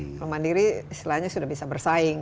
kalau mandiri istilahnya sudah bisa bersaing